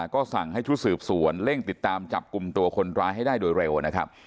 ก็สั่งให้ชุดสืบสวนเร่งติดตามจับกลุ่มตัวคนร้ายให้ได้โดยเร็วนะครับ